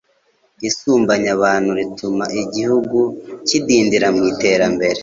Isumbanya abantu rituma igihugu kidindira mu iterambere